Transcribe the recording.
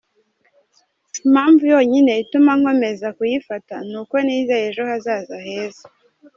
Impamvu yonyine ituma nkomeza kuyifata, ni uko nizeye ejo hazaza heza.